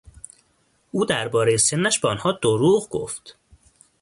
او درباره سنش به آنها دروغ گفت.